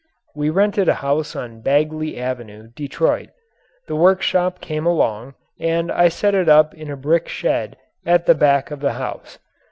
We rented a house on Bagley Avenue, Detroit. The workshop came along and I set it up in a brick shed at the back of the house.